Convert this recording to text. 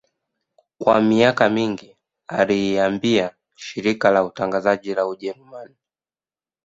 Kwa miaka mingi aliiambia shirika la utangazaji la Ujerumani